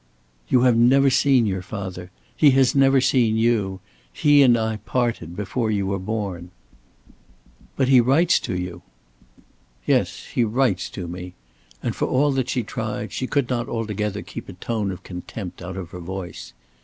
"You have never seen your father. He has never seen you. He and I parted before you were born." "But he writes to you." "Yes, he writes to me," and for all that she tried, she could not altogether keep a tone of contempt out of her voice.